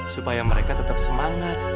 supaya mereka tetap semangat